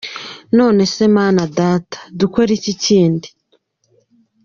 Nonese Mana Data, dukore iki kindi?”.